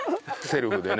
セルフで。